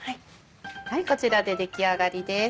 はいこちらで出来上がりです。